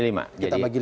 kita bagi lima